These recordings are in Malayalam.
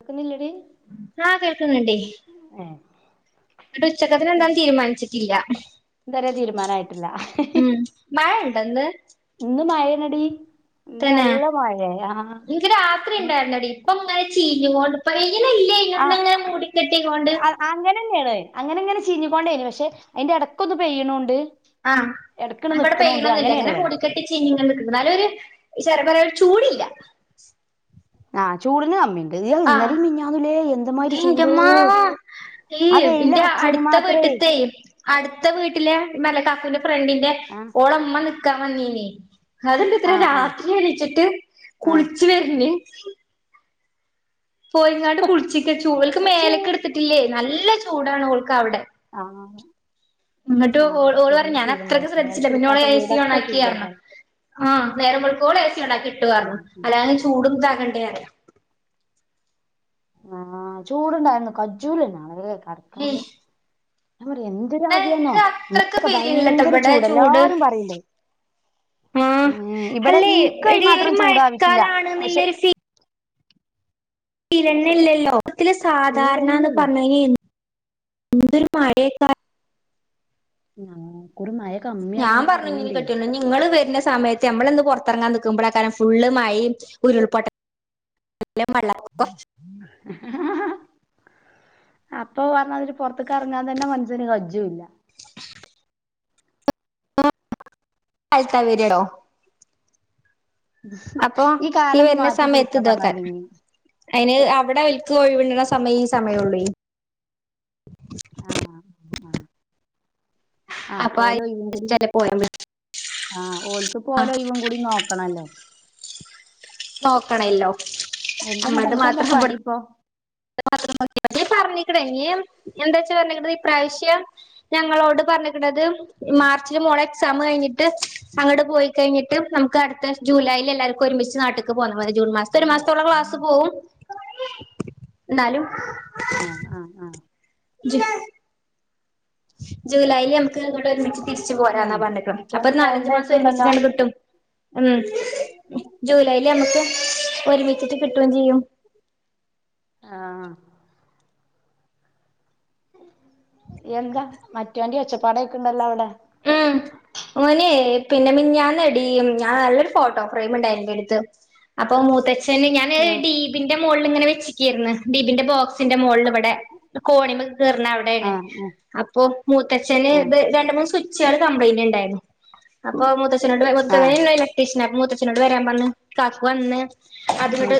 കേക്കുന്നില്ലടി ആഹ് കേൾക്കുന്നുണ്ട് ഉം ഇവടെ ഉച്ചക്കേത്തിന് എന്താന്ന് തീരുമാനിച്ചിട്ടില്ല ഇതുവരെ തീരുമാനം ആയിട്ട് ഉം മഴ ഉണ്ടോയിന്ന് ഇന്ന് മയേണടി തന്നെ എനിക്ക് രാത്രി ഉണ്ടായിരുന്നെടീ ഇപ്പൊ ഇങ്ങനെ ചീഞ്ഞുകൊണ്ട് ഇങ്ങനെ ഇല്ല ഇന്ന് ഇങ്ങനെ മൂടിക്കെട്ടീംകൊണ്ട് ആഹ് അങ്ങനെന്നയാണ് അങ്ങനെ അങ്ങനെ ചീഞ്ഞിക്കൊണ്ടേന പക്ഷെ അയിന്റെ ഇടക്കൊന്ന് പെയ്യണോണ്ട് ആഹ് ഞങ്ങക്കിവടെ പെയ്യണൊന്നില്ല ഇങ്ങനെ ഇവിടെ മൂടിക്കെട്ട് ട്ടി ച്ചിഞ്ഞിങ്ങനെ നിക്കുന്നു എന്നാലും ഒരു ചറ പറ ഒരു ചൂടില്ല ആഹ് ചൂടിന് കമ്മി അയ്യോ ആഹ് ഇന്നലേം മിനിഞ്ഞിന്നൂല്ലേ എന്ത്മാതിരി ചൂടോ എന്റമ്മാ ആഹ് വെയില് അടിച്ചേന് മാത്രമേ പെയ്യും അടുത്ത വീട്ടിലെ മല കാക്കുന്റെ ഫ്രണ്ടിന്റെ ആ ഓളമ്മ നിക്കാൻ വന്നീനി അത്ണ്ട് ഇത്ര ആ ആ രാത്രി എണീച്ചിട്ട് ആ കുളിച്ചു വരുണ് പോയിങ്ങാട് കുളിച്ചിക്ക് ചൂടൾക്ക് ചൂ മേലൊക്കെ എടുത്തിട്ടില്ലേ നല്ല ചൂടാണ് ഓൾക്ക് അവിടെ, ആഹ്, എന്നിട്ട് ഓള് ഓള് പറഞ്ഞ് ഞാൻ അത്രൊക്കെ ചൂടുണ്ടാവും ശ്രദ്ധിച്ചില്ല പിന്നെ ഓള് മേൽക്കെടുക്കാത്ത എ സി വീടൊക്കെ ഓണാക്കിന്നർഞ്ഞ്, ചൂടായിട്ടാണ് ആഹ്, നേരംവെളുക്കോളും എ സി ഓണാക്കിട്ടു പർഞ്ഞു അല്ലാണ്ട് ചൂടും ഇതാകണ്ടേ അറയ ആഹ്, ചൂടുണ്ടായിരുന്നു കജൂലന്നാളേ ഏയ് കടക്കാന് ഞാൻ പറയാന്നു ഇതൊരുാവ്യന്നോ നിനക്ക് അത്രക്ക് ഇന്നൊക്കെ ഫീലില്ലട്ടോ ഭയങ്കര ഇവിടെ ചൂട് എല്ലാരും പറയണ്ടേയ്, ആഹ് ഏഹ്, ഇവിടെ അല്ലേ എടി ഒരു ഇൻകൈമാത്രം ചൂടാവിക്കില്ല പക്ഷെ, മഴക്കാലാണ്ന്നുള്ളൊരു പിരണ്ല്ലല്ലേ ത്തില് സാധാരണന്ന് ഫീലന്നെ പറഞ്ഞ് കഴിഞ്ഞാ എന്തൊരു മഴയേക്കാ ആഹ് ഇക്കുറി മയ ഞാൻ കമ്മിയാണ്ന്ന് പറഞ്ഞു ഇനി പറയണ്ടേ, കെട്ടിയോനോട് നിങ്ങള് വരുന്ന സമയത്ത് ഞമ്മളിന്ന് പുറത്തിറങ്ങാൻ നിൽക്കുമ്പോഴാകാരം ഫുള്മായെം ഉരുൾപൊട്ട എല്ലാം വെള്ളപ്പൊക്കം [inaudible] അപ്പൊ പറഞ്ഞതിരു പുറത്ക്കെറെങ്ങാൻ തന്നെ മനസ്സിന് കജ്ജുല്ല, തഴത്ത വര്ടോ, അപ്പൊ ഈ കാലൊന്ന് വരുന്ന മാറ്റി പിടിക്കാ സമയത്ത്തോക്കാൻ, പറഞ്ഞാണ്ട് ഇനി അയ്ന് അവിടെ എൽക്ക് കോഴിവണ്ടണ സമയം ഈ സമയൊള്ളെ, ആഹ്, ആഹ്, അഹ്, അപ്പൊ ഓലൊയ്യെങ്കില്, ചില പോയാൻ ആഹ്, പറ്റും ഓൽക്ക്പ്പോലയിവും കൂടി നോക്കണല്ലോ, നോക്കണല്ലോ, എന്തങ്ങട്ടാ എൻക്കെന്താ പണിപ്പോ? നോക്ക [unintelligible] പറഞ്ഞിക്കണേ ഇനിയും എന്താച്ച പറഞ്ഞിക്കണേ ഈ പ്രാവശ്യം, ഞങ്ങളോട് പറഞ്ഞിക്കണത്, മാർച്ചില് മോഡ സാമ് കഴിഞ്ഞിട്ട് അങ്ങോട്പോയി കഴിഞ്ഞിട്ട് നമുക്ക് അടുത്ത ജൂലൈൽ എല്ലാർക്കും ഒരുമിച്ച് നാട്ടേക്ക് പോന്നാ മതി, ജൂൺ മാസത്തെ ഒരു മാസത്തോളം ക്ലാസ്സ് പോവും എന്നാലും, ആഹ് ആഹ് ആഹ്, ജ് [inaudible] ജൂലൈല് നമുക്ക് വടെ ഒരുമി തിരിച്ചു ആ പോരാനാ പർഞ്ക്കണെ അപ്പൊ മറ്റോന്റെ സൗണ്ട് നാലഞ്ചു മാസം കേൾക്കണ്ടല്ലോ ഒരുമിച്ചാണ്ട് കിട്ടും, ഉം ജൂലൈൽ നമുക്ക് ഒരുമിച്ചിട്ട് കിട്ടും ചീയ്യും, ആഹ് എന്താ മറ്റോന്റെ ഒച്ചപ്പാടേക്ണ്ണ്ടല്ലോ അവ്ടെ? ഉം ഓനേ പിന്നെ മിനിഞ്ഞാന്നെടീ ഞാ നല്ലൊരു ഫോട്ടോ ഫ്രെയിമ്ണ്ടായിനും ന്റെടുത്ത്, അപ്പൊ മൂത്തച്ഛന് ഞാൻ ആ ഡീപിന്റെ മോളിൽ ഇങ്ങനെ വച്ച്ക്കേര്ന്ന് ഡീപിന്റെ ബോക്സ് ന്റെ മോളിൽ ഇവടെ കോണിമക്ക് കേറ് ണ അവ്ടെണ്, ആ അപ്പോ മൂത്തച്ഛന് ആ ത് ആ രണ്ട് മൂന്ന് സ്വിച്ചള് കംപ്ലയിന്റ് ണ്ടായിന്നു, അപ്പൊ മൂത്തച്ഛനോട് ആ മൂത്തച്ഛനാണ് ഇലട്രീഷൻ അപ്പ മൂത്തച്ഛനോട് വരാൻ പറഞ് കാക്കു വന്ന്, ഉം അത്ങ്ട്ട്,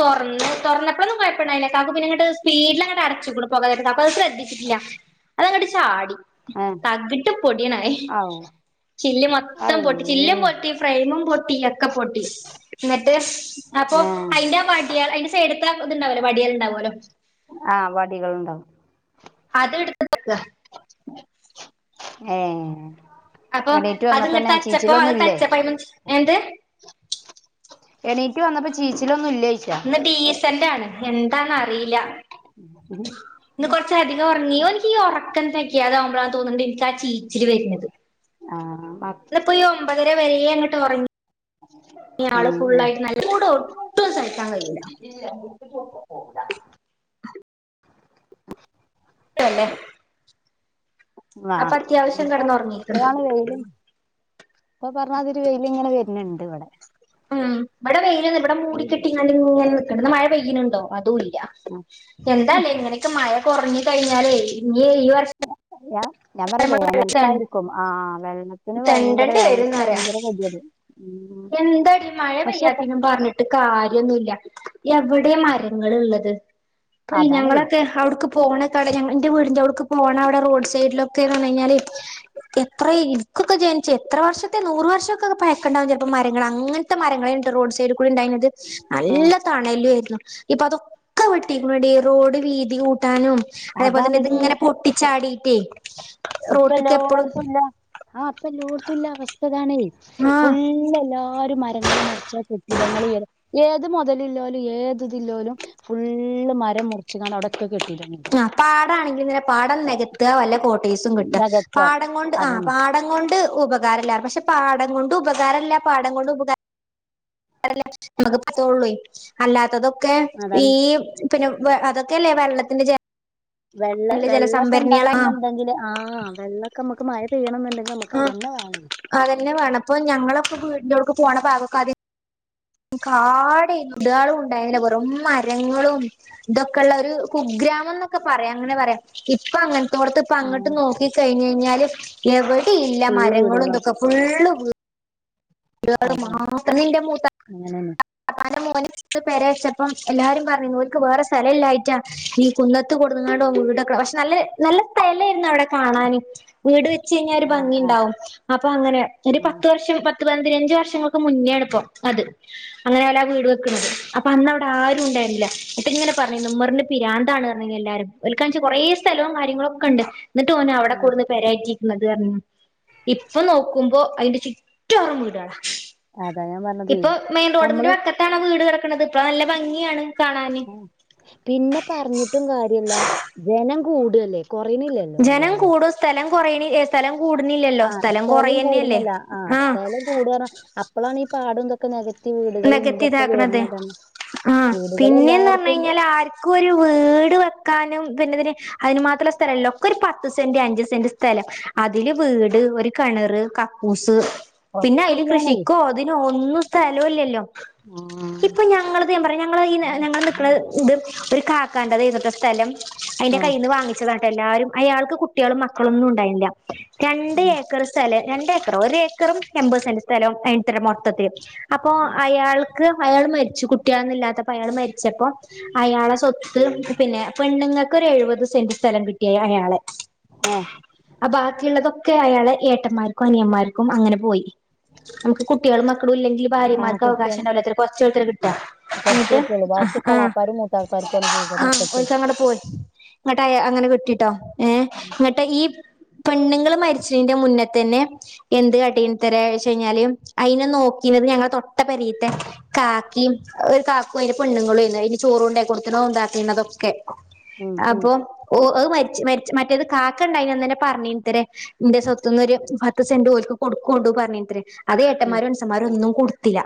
തൊറന്ന് തുറന്നപ്പോഴൊന്നുംകൊഴപ്പണ്ടായീല്ലക്കാക്ക് പിന്നെങ്ങട്ട് സ്പീഡിൽ അങ്ങട്ടെ അടച്ചുക്ണ് പോകാന്നെരത്തു അപ്പൊ അത് സ്രദ്ധിച്ചിട്ടില്ല, അതങ്ങ്ട്ട് ചാടി ഏ തകിട് ആയി ഔ ചില്ല്‌ മൊത്തം അഹ് പൊട്ടിച്ച് ചില്ല പോ ഫ്രയിമും പൊട്ടി ഒക്കെ പൊട്ടി ന്നിട്ട് അപ്പൊ ഏ അയ്ന്റെ വടി ഐ എടുത്ത ഇതുണ്ടാവലോ വടിയൽണ്ടാവുലോ ആഹ് വടികൾണ്ടാവും അത് എടുത്തക്ക് ഏഹ് അപ്പൊ അത്ങ്ങെ തച്ചപ്പോ അത് തച്ചപ്പ എന്ത് എണീറ്റ് വന്നപ്പോ ചീച്ചിലൊന്നും ഇല്ലാഴിച്ചാ ഇന്ന് ഡീസന്റ് ആണ് എന്താന്നറിയില്ല [unintelligible] അധികം ഉറങ്ങി ഓനിക്ക് ഉറക്ക തൊക്ക ആമ്പോളാ തോന്നുന്നുണ്ടിനിക്ക് ട്ടാ ചീച്ചില് വരുന്നത് ആ ഇപ്പോ ഈ ഒമ്പതര വര അങ്ങട്ട് ഉറങ്ങി ഇ ആള് ഉം ഫുള്ളായിട്ട് നല്ല കൂടെ ഒട്ടും സഹിക്കാൻ കഴിയില്ല [unintelligible] പോകൂല തന്നെ ആഹ അത്യാവശ്യം ഇപ്പൊ കിടന്നുറങ്ങിക്ക്ണ് ഇപ്പഴാണ് വെയില് ഇപ്പൊ പറഞ്ഞാതരി വെയില് ഇങ്ങനെ വര്ണ് ണ്ട് ഇവിടെ ഉം ഇവിടെ വെയില് ഇവിടെ മൂട കെട്ടി ഇങ്ങ ഇങ്ങനെ നിക്കണ്ട് മഴ പെയ്യിലുണ്ടോ അതും ഇല്ല ഉം എന്താല്ലേ ഇങ്ങനെക്കെ മഴ കുറഞ്ഞ് കഴിഞ്ഞാലേ ഇനി ഈ വർഷ [unintelligible] ഞാൻ പറയാ വേനൽക്കായിരിക്കും ആ വെള്ളത്തിന് ഭയങ്കര തെണ്ടേണ്ടി വേനൽക്ക് ഭയങ്കര വതിത് എന്തടി മഴ പെയ്യാത്തനും പറഞ്ഞിട്ട് കാര്യൊന്നുല്ല എവിടെ മരങ്ങള് ള്ളത് ഇപ്പൊ അതാണേ ഞങ്ങളൊക്കെ അവിടുക്ക് പോണ കട ഞ എന്റെറെ വീടിൻന്റെറെടടുക്ക് പോണം അവിടെ റോഡ് സൈഡിലൊക്കെ പറഞ്ഞ കഴിഞ്ഞാല് എത്ര ഇനക്കൊക്കെ ജനിച്ചു എത്ര വർഷത്തെ നൂറ് വർഷതെക്കെക്കെ പയക്കണ്ടാവും മരങ്ങ അങ്ങനത്തെ മരങ്ങളെ റോഡ് സൈഡിൽ കൂടി ഉണ്ടായിരുന്നത് ആ നല്ല തണ ലേര്ന്നു ഇപ്പൊ അതൊക്കെ വെട്ടിക്ണു ഡി റോഡ് വീതി കൂട്ടാനും അതേപോലെ തന്നെ അതാണെടീ ഇത്ങ്ങനെ പൊട്ടിച്ചാടിട്ടേ ഇപ്പ റോട്ടിക്ക് എപ്പളും എല്ലോടത്തുല്ല ആഹ അപ്പല്ലോട്ത്തുല്ല അവസ്ഥതാണേ ആഹ് ഫുള്ള് എല്ലാരും മ രങ്ങൾ മുറിച്ച കെട്ടിടങ്ങൾ ഉയരും ഏത് മുതലില്ലോലും ഏത് ഇതില്ലലും ഫുള്ള് മരം മുറിച്ച്ക്കാണ്ട് അവിടൊക്കെ കെട്ടിട ആഹ പാട ആണെങ്കിൽ ഇന്നെ പാടം നികത്തുക വല്ല കോട്ടേസും കിട്ടുക നികത്ത പാടം കൊണ്ട് ആ പാട അതന്നെ പാടം കൊണ്ട് ഉപകാരല്ല പക്ഷെ പാഠം കൊണ്ട് ഉപകാരല്ല പാടം കൊണ്ട് ഉപകാര [unintelligible] അല്ലാത്തതൊക്കെ ഈ അതാണ് പിന്നെ അതൊക്കല്ലെ വെള്ളത്തിന്റെ ജെ വെള്ള വെള്ളൊക്കെണ്ടാണന്ന്ണ്ടെങ്കില് ആ വെള്ളൊക്കെ നമ്മക്ക് മഴ പെയ്യണംന്ന്ണ്ടെങ്കിൽ നമുക്ക് അതെന്നെ വാണം അതെന്നെ വാണം പ്പം ഞങ്ങളൊക്കെ വീട്ന്റോട്ക്ക് പോണ ഭാഗൊക്കാദ്യം കാടെ ടാളും ഉണ്ടായിന്നില്ല വെറും മരങ്ങളും തൊക്കെള്ളൊരു കുഗ്രാമം ന്നൊക്കെ പറയാ അങ്ങനെ പറയാ ഇപ്പൊ അങ്ങൻ ത്തോട് ത്ത്പ്പൊ ഉം അങ്ങട്ട് നോക്കി കയ്ഞ്ഞയ്ഞാല് എവടെ ഇല്ല ഫുള്ള് വീടുകളാവും മരങ്ങളുംതൊക്കെ ഫുള്ള് വീ ടാള് അതെ മാത്രം ന്ന് ന്റെ മൂത്ത അങ്ങനെന്നെ ഓന് [unintelligible] പെരച്ചപ്പം എല്ലാരും പറഞ്ഞിരുന്നു ഓൻക്ക് വേറെ സ്ഥലല്ലായിറ്റാ ഈ കുന്ന ത്ത് കൊടുന്ന്ങ്ങാണ്ട് ഓൻ വീടൊക്കെ പക്ഷെ നല്ല നല്ല സ്ഥലേര്ന്നു അവടെ കാണാന് വീട് വെച്ച് കഴിഞ്ഞാ ഒരു ആ ആ ഭംഗിണ്ടാവും അപ്പൊ അങ്ങനെ ഒരു ഉം പത്ത് വർഷം പത്ത് പന്തിനഞ്ച് വർഷങ്ങക്ക് മുന്നേണ്പ്പോ അത് അങ്ങനെ ഓലാ വീട് വെക്ക്ണത് അപ്പൊ അന്ന് അവടെ ആരും ണ്ടായിരുന്നില്ല അപ്പൊങ്ങനെ പറഞ്ഞിന്നു മ്മറിന് പിരാന്താണ്ന്ന് പർഞ്ഞീന്നു എല്ലാരും ഒൽക്കാണിച്ച കൊറെ സ്ഥലവും കാര്യങ്ങളൊക്കെണ്ട് ന്ന്ട്ടും ഓനവടെ ഉം കൊട്ന്ന് പെരേറ്റിക്ക്ണത്ന്ന് പർഞ്ഞിന്നു ഇപ്പൊ നോക്കുമ്പോ അയ്ന്റെ ചുറ്റൊറം വീടാളാ അതാ ഞാൻ പറഞ്ഞതേ ഇപ്പൊ മെയിൻ റോഡിന്റെ നമ്മള് വക്കത്താണാ വീട് കെടക്ക്ണത് ഇപ്പൊ നല്ല ഭംഗിയാണ് കാണാന് ആ പിന്നെ പർഞ്ട്ടും കാര്യല്ല ജനം കൂടല്ലേ കുറയണില്ലല്ലോ ജനം വല്ലാതെ കൂടും സ്ഥലം കൊറയണ സ്ഥലം കൂട്ണ്ല്ലല്ലോ സ്ഥലം കൊറയന്നല്ലേ ആ അപ്പളാണീ പാടം തൊ ക്കെ നെകത്തി വീടുകളും നികത്തി തൊക്കെ ഇതാക്കണത് വരുന്നതാണ് വീടുകള് എല്ലാര്ക്കും ക്കൊര് വീട് വെക്കാനും പിന്നെതി അയ്ന് മാത്രള്ള സ്ഥലല്ല ഒക്കൊര് പത്ത് സെന്റ് അഞ്ച് സെന്റ് സ്ഥലം അതില് വീട് ഒരു കെണറ് ക ക്കൂസ് പിന്നെ ഒക്കെ അയ്ല് അതിലാണേ കൃഷിക്കോ തിനോ ഒന്നും സ്ഥലോം ല്ലല്ലോ ഇപ്പൊ ആ ഞങ്ങള് ത് ഞാ പറയ ഞങ്ങളെ ഈ ഞങ്ങൾ നിക്ക്ണ ത് ഒരു കാക്കാന്റതേന്നുട്ടോ സ്ഥലം അയ്ന്റെ ആ കൈന്ന് വാങ്ങ ച്ചതാട്ടോ എല്ലാരും അയാക്ക് കുട്ട്യാളും മക്കളൊന്നും ണ്ടായിൻല്ല രണ്ട് ഉം ഏക്കർ സ് സ്ഥലം രണ്ടേക്കറോ ഒരേക്കറും എൺപത് സെന്റ് സ്ഥലവും അയ് ത്രെ മൊത്തത്തില് അപ്പോ ഉം അയാൾ അയാൾ മരിച്ചു കുട്ട്യാളൊന്നുല്ലാത്തപ്പൊ അയാള് മരിച്ചപ്പോ അയാളെ സ്വ ത്ത് പിന്നെ പെണ്ണുങ്ങക്കൊര് എഴുപത് സെന്റ് സ്ഥലം കിട്ടി അയാളെ ആ അ ബാക്കിള്ളതൊക്കെ അയാളെ ഏട്ടന്മാര്ക്കും അനിയന്മാര്ക്കും അങ്ങനെ പോയി കുട്ട്യാളും മക്കളും ഇല്ലെങ്കില് ആ ഭാര്യമാർക്ക് കുട്ടികൾ അവകാശണ്ടാവൂലത്രെ കൊർച്ചൊള്ളു ത്രെ കിട്ടാ കുറച്ച് ന്ന്ട്ട് കുട്ടികള് ബാക്കി ആ കളാപ്പാരും മൂത്താപ്പാർക്കുമാണ് പോവുക ആ മക്കൾക്ക് [unintelligible] പോയി ന്ന്ട്ടങ്ങനെ കിട്ടിട്ടോ ഏ ങ്ങട്ട് ഈ പെണ്ണുങ്ങള് മരിചെയ്ന്റെ മുന്നെത്തെന്നെ എന്ത് കാട്ടി തെരെ ച്ചയ്ഞ്ഞാല് അയ്നെ നോക്കീന്നത് ഞങ്ങളെ തൊട്ട പെരേത്തെ കാക്കിം ഒരു കാക്കും അയ്ന്റെ പെണ്ണുങ്ങളേയ്ന്ന് അയ്ന് ചോറൊണ്ടൊട്ത്ത്ണതും താകീണതൊക്കെ ഉം ഉം അപ്പൊ ഓ അത് മരിച്ച് മരി മറ്റേത് കാക്കണ്ടായിനന്ന് തന്നെ പർഞ്ഞീത്രെ ന്റെ സ്വത്ത്ന്നൊരു പത്ത് സെന്റ് ഓൽക്ക് കൊടുക്കോണ്ടു പറഞ്ഞിന്നത്രെ ഉം അതേട്ടമ്മാരും അൻസമ്മാരൊന്നും കൊട്ത്തില്ല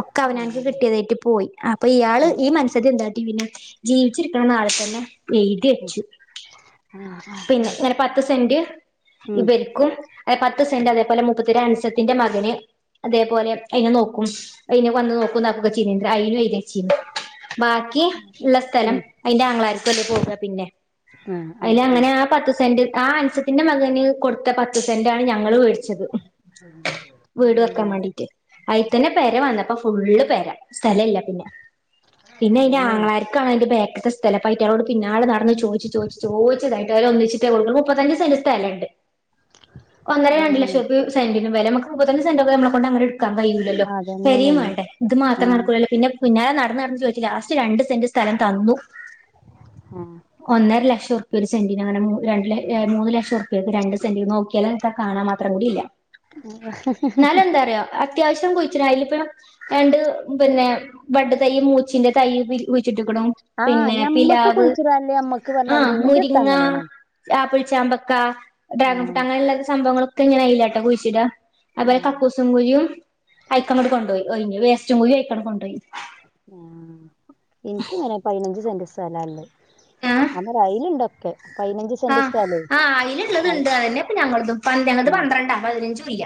ഒക്കെ അവനാൻക്ക് ഉം കിട്ട്യേതേറ്റ് പോയി അപ്പൊ ഇയാള് ഉം ഈ മനസ്സ്യത്തി എന്താട്ടി പിന്നെ ജീവിച്ചിരിക്കണ നാളെ തന്നെ എയ്തെച്ചു ആ പിന്നെ ങ്ങനെ പത്ത് സെന്റ് ഉം ഇവര്ക്കും അത് പത്ത് സെന്റ് അതേപോലെ മുപ്പത്തിര അൻസത്തിന്റെ മകന് അതേപോലെ അയ്നെ നോക്കും അയ്നെ വന്ന് നോക്കും താക്കൊക്കെ ചെയ്തീന്നത്രെ അയ്നും എയ്തെച്ചീന്നു ബാക്കി ക്കിള്ള സ്ഥലം ഉം അയ്ന്റെ ആങ്ങളാര്ക്കല്ലേ പോവ പിന്നെ ആ ആ ഉം അയ്ലങ്ങനെ ആ പത്ത് സെന്റ് ആ അൻസത്തിന്റെ മകന് കൊടുത്ത പത്ത് സെന്റാണ് ഞങ്ങള് വേടിച്ചത് വീട് വെക്കാൻ വാണ്ടീട്ട് അയിൽത്തന്നെ പെര വന്നപ്പം ഫുള്ള് പെര. സ്ഥല ഇല്ല പിന്നെ പിന്നെ ഇന്റെ അതാണേ ആങ്ങളാ ക്കാണെഅന്റെ ബേക്ക്ത്തെ സ്ഥലം പ്പ അയ്റ്റങ്ങളോട് പിന്നാലെ നടന്ന് ചോയ്ച്ച് ചോയ്ച്ചു ചോയ്ച്ച്തായിട്ട് അവര് ഒന്നിച്ചിട്ടേ കൊടുക്കുളു. മുപ്പത്തഞ്ച് സെന്റ് സ്ഥലണ്ട് ഒന്നര ആ രണ്ട് ലക്ഷ ഉറുപ്യ സെന്റിനും വെല, മ്മക്ക് മുപ്പത്തഞ്ച് സെന്റൊക്കെ നമ്മളെക്കൊണ്ട് എങ്ങനെ ക്കാൻ കഴിയ്യൂലല്ലോ, ആ പെരീം അതന്നെയാണേ മാണ്ടേ, ഇത് ആ മാത്രം നടക്കൂലല്ലോ പിന്നെ പിന്നാലെ നടന്ന് നടന്ന് ചോയ്ച്ചു ലാസ്റ്റ് രണ്ട് സെന്റ് സ്ഥലം തന്നു. ആഹ് ഒന്നര ലക്ഷം ഉറുപ്യ ഒരു സെന്റിന് അങ്ങന മൂ രണ്ട് ല മൂന്ന് ലക്ഷം ഉറുപ്യക്ക് രണ്ട് സെന്റി നോക്കിയല് ക്ക കാണാൻ മാത്രം കൂടി ഇല്ല. ന്നാലും എന്താറിയൊ അത്യാവശ്യം കുഴിച്ചിടാ, അയില്‌പ്പം രണ്ട് പിന്നെ വഡ് തൈ്യ് മൂച്ചിന്റെ തൈയ് കുഴിച്ചിട്ട്ക്ക്ണു, പിന്നെ പിലാവ് ല്ലേ അമ്മക്ക് ആഹ്, മുരിങ്ങ, ആപ്പിൾച്ചാമ്പക്ക, ഡ്രാഗൺ ഫ്രൂട്ട അങ്ങനെള്ള സംഭവങ്ങള് ക്കഞ്ഞ് അയിലാട്ടോ കുഴിച്ചിട. അതുപോലെ കക്കൂസും കുഴിയും അയക്ക അങ്ങട്ട് കൊണ്ടോയി. ഒഴിഞ്ഞ്‌. വേസ്റ്റും കുയ്യും അയ്ക്കാണ്ട് കെണ്ടോയി. ഉം, ഇൻക്ക് ഇങ്ങനെ പയിനഞ്ച് സെന്റ് സ്ഥല ഇല്ലത് ആഹ് [unintelligible] അയിന്ണ്ടൊക്കെ ആഹ് ആഹ് അയില്ള്ളത് അത് ഇണ്ട് അറിയ. അതന്നെപ്പ ഞങ്ങളതും പന്തണത് പന്ത്രണ്ട പതിനഞ്ചും ഇല്ല.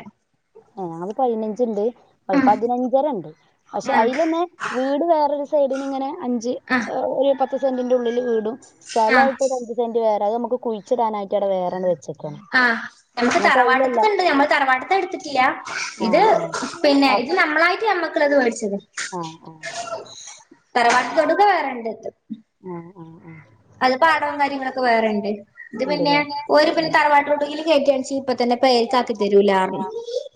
ഏഹ് ഞങ്ങൾത് പയിനഞ്ച്ണ്ട്. പയ് പതിനഞ്ചരണ്ട്. പക്ഷെ ആഹ് അയിലന്നെ വീട് വേറൊരു സൈഡിന് ഇങ്ങനെ അഞ്ച് അഹ് ഒരു പത്ത് സെന്റിന്റെ ഉള്ളില് വീടും സ്ഥലായിട്ട് ഒര് അഞ്ച് സെന്റ് വേറെ അത് നമ്മക്ക് കുഴിച്ചിടാനായിട്ട് അവിടെ വേറെണ്ട് വെച്ചക്കാണ്. അഹ് നമ്മക്ക് തറവാട്ട്ത്തത്ണ്ട്, നമ്മള് തറവാട്ട്ത്ത ഇടുത്തിട്ടില്ല. ഇത് ആഹ് ആഹ് പിന്നെ ഇത് നമ്മളായിട്ട് നമ്മക്ക് ക്കത് വേടിച്ചതാ ആഹ് ആഹ് തറവാട്ട് തൊടുത്തത് വേറെണ്ടത് ആഹ് ആഹ് ആഹ് അത് പാടവും കാര്യങ്ങളൊക്കെ വേറെണ്ട്. ഇത് പിന്നെ ഉണ്ടല്ലേ ഓര് പിന്നെ തറവാട്ട് തൊടുകീൽ കേറ്റാണച്ചങ്കി ഇപ്പ തന്നെ പേര്ക്ക്‌ ആക്കി തരൂ ലാറഞ്ഞു.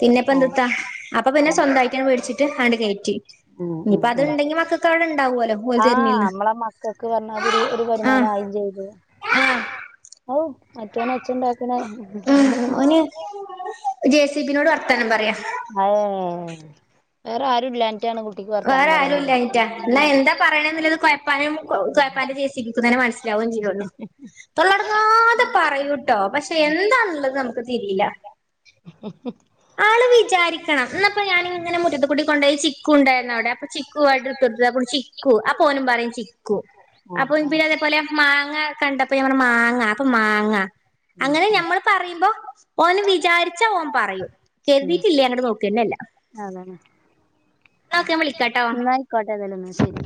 പിന്നെപ്പെന്തുത്താ, അപ്പൊ പിന്നെ സ്വന്തായിട്ടങ് വേടിച്ചിട്ട് അണ്ട് കയറ്റി ഉം ഉം ഇനിയിപ്പ ഉം അത്ണ്ടെങ്കി മക്കക്ക് അവിടെ ഉണ്ടാവോല്ലോ ഓല് തരുന്നീൽന്ന് ഇത് ഒരു ഒരു വരുമാനം ആവേം ചെയ്ത് ആഹ് ഔ! മറ്റോനൊച്ചണ്ടാക്ക്ണേ ഉം ഓന് ജെ സി ബിനോട് വർത്താനം പറയാ [unintelligible] വേറെ ആരും ഇല്ലാൻറ്റാണ് വേറെ ആരും ഇല്ലാഞ്ഞിറ്റാ, ഇന്നാ എന്താ പറയണെന്നില്ലത് കൊഴപ്പാനും കൊഴപ്പാന്റെ ചേച്ചിക്കൊക്കെ തന്നെ മനസ്സിലാവുകയും ചെയ്യുള്ളൂ. തൊള്ളടങ്ങാതെ പറയൂട്ടോ, പക്ഷെ എന്താണുള്ളത് നമുക്ക് തിരീല്ല. [unintelligible] ആള് വിചാരിക്കണം, ഇന്നപ്പ ഞാനിങ്ങനെ മുറ്റത്ത്ക്കൂടി കൊണ്ടോയി ചിക്കുണ്ട്. ന്നവിടെ, അപ്പൊ ചിക്കു വേർഡ് ഇട്ടൊട്ത്. അപ്പോൾ ചിക്കു, അപ്പൊ ഓനും പറയും ചി ക്കു, അപ്പൊ ആഹ് പിന്നെ ആഹ് ഇതേപോലെ മാങ്ങ കണ്ടപ്പോ ഞാൻ പറഞ്ഞു മാങ്ങ അപ്പൊ മാങ്ങ ഉം അങ്ങനെ ഞമ്മള് പറയുമ്പോ ഓന് വിചാരിച്ച ഓൻ പറയും. കരുതിയിട്ടില്ലേ അങ്ങട്ട് നോക്കന്നല്ല അതന്നെ ന്നാ ഓക്കെ ഞാൻ വിളിക്കാട്ടോ കോട്ടയന്നാലന്നാ ശരി